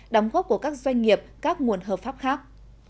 đóng góp của các doanh nghiệp các nguồn hợp pháp khác